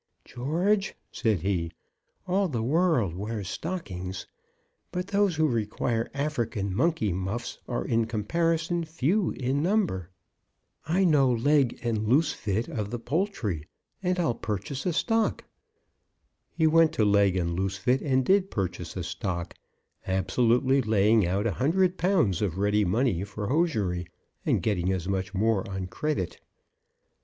"George," said he, "all the world wears stockings; but those who require African monkey muffs are in comparison few in number. I know Legg and Loosefit of the Poultry, and I'll purchase a stock." He went to Legg and Loosefit and did purchase a stock, absolutely laying out a hundred pounds of ready money for hosiery, and getting as much more on credit.